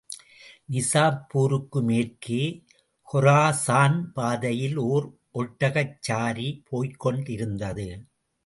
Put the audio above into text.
நிஜாப்பூருக்கு மேற்கே, கொராசான் பாதையில் ஓர் ஒட்டகச்சாரி போய்க் கொண்டிருந்தது.